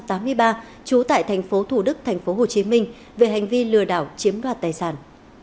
trú tại tp thủ đức tp hcm về hành vi lừa đảo chiếm đoạt tài sản